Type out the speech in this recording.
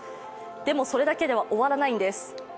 それだけでは終わらないんです。